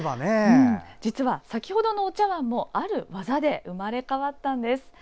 実は先ほどのお茶碗もある技で生まれ変わったんです。